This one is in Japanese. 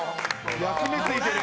焼き目ついてる！